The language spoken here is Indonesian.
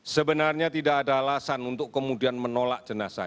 sebenarnya tidak ada alasan untuk kemudian menolak jenazah